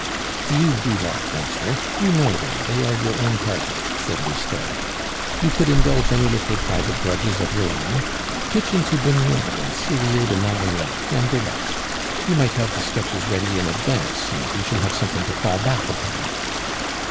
"You do that, youngster; you know them; they are your own party," said Lousteau; "you could indulge any little private grudges of your own. Pitch into Beugnot and Syrieys de Mayrinhac and the rest. You might have the sketches ready in advance, and we shall have something to fall back upon."